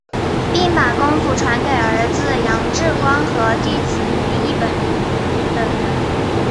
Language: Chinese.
并把功夫传给儿子杨志光和弟子梅益本等人。